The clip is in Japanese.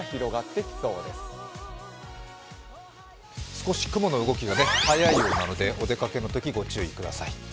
少し雲の動きが早いようなので、お出かけのとき、ご注意ください。